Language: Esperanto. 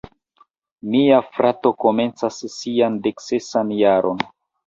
Mia frato komencas sian deksesan jaron.